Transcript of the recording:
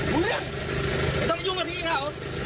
ไมว่ะแม่ต้องยุ่งไปทีเขา